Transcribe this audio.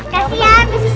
apun makasih ya amalia